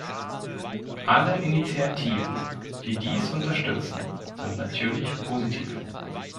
Alle Initiativen, die dies unterstützen, sind natürlich positiv.